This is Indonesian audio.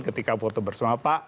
ketika foto bersama pak